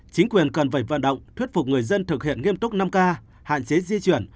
chính quyền cần phải vận động thuyết phục người dân thực hiện nghiêm túc năm k hạn chế di chuyển